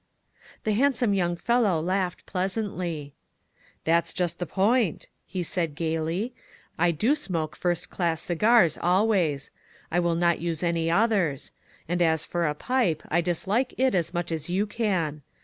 The handsome young fellow laughed pleas antly. " That's just the point," he said gayly, " I do smoke first class cigars, always ; I will not use any others; and as for a pipe, I dislike it as much as you can.